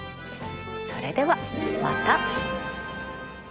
それではまた。